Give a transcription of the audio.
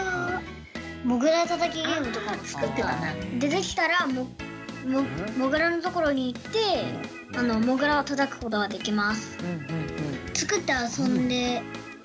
出てきたらモグラのところに行ってモグラをたたくことができます。